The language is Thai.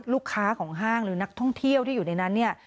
ลูกค้าของห้างหรือนักท่องเที่ยวที่อยู่ในนั้นเนี่ย